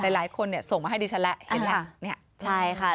หลายคนส่งมาให้ดิฉันแหละเห็นไหม